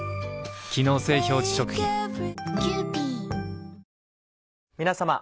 機能性表示食品皆様。